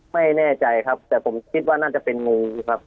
ไม่แน่ใจครับแต่ผมคิดว่าน่าจะเป็นงูครับ